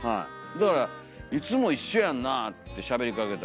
だから「いつも一緒やんな」ってしゃべりかけたら。